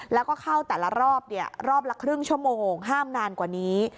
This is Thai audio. แล้วก็เข้าแต่ละรอบรอบละครึ่งชั่วโมงห้ามนานกว่านี้